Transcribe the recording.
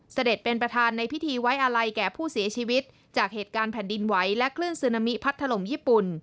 เสด็จเป็นประธานในพิธีไว้อาลัยแก่ผู้เสียชีวิตจากเหตุการณ์แผ่นดินไหวและคลื่นซึนามิพัดถล่มญี่ปุ่น